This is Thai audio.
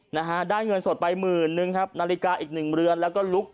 นะฮะได้เงินสดไปหมื่นนึงครับนาฬิกาอีกหนึ่งเรือนแล้วก็ลุก